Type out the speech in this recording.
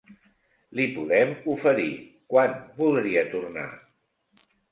Li podem oferir, quan voldria tornar?